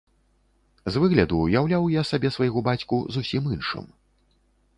З выгляду ўяўляў я сабе свайго бацьку зусім іншым.